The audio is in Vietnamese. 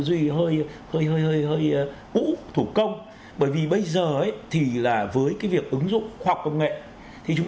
duy hơi hơi hơi hơi thủ công bởi vì bây giờ ấy thì là với cái việc ứng dụng hoặc công nghệ thì chúng